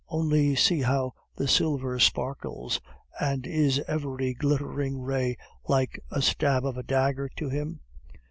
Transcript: Only see how the silver sparkles, and is every glittering ray like a stab of a dagger to him?...